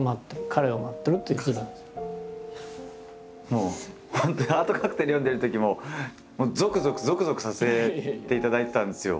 もう本当に「ハートカクテル」読んでるときもゾクゾクゾクゾクさせていただいてたんですよ